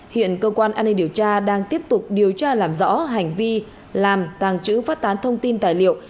hiện cơ quan an ninh điều tra đang tiếp tục điều tra làm rõ hành vi làm tàng trữ phát tán thông tin tài liệu